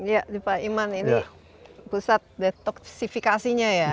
ya pak iman ini pusat detoksifikasinya ya